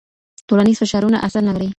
ټولنیز فشارونه اثر نه لري.